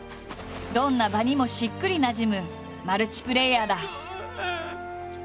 どんな場にもしっくりなじむマルチプレーヤーだ。